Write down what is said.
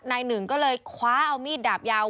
นายหนึ่งก็เลยคว้าเอามีดดาบยาว